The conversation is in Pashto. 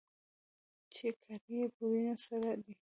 چې کالي يې په وينو سره دي.